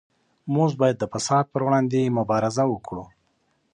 موږ باید د فساد پر وړاندې مبارزه وکړو.